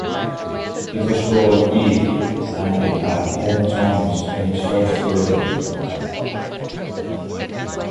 It was called “Id” and it had ten songs in its first version.